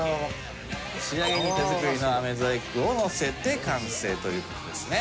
仕上げに手作りの飴細工をのせて完成という事ですね。